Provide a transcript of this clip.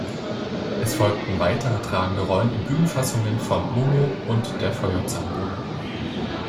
Es folgten weitere tragende Rollen in Bühnenfassungen von "Momo" und der "Feuerzangenbowle".